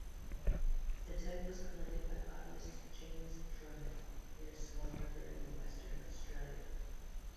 The type was collected by botanist James Drummond near Swan River in Western Australia.